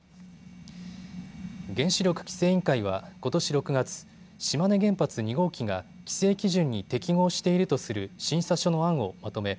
原子力規制委員会はことし６月、島根原発２号機が規制基準に適合しているとする審査書の案をまとめ